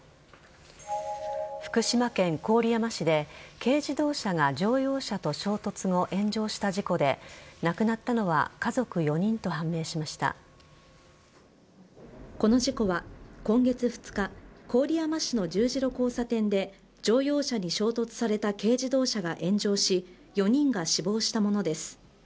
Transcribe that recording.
福島県郡山市で軽自動車が乗用車と衝突後炎上した事故で亡くなったのはこの事故は今月２日郡山市の十字路交差点で乗用車に衝突された軽自動車が炎上し、４人が死亡したものです。